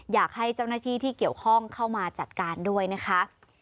อยากให้เจ้าหน้าที่ที่เกี่ยวข้องเข้ามาจัดการด้วยนะคะ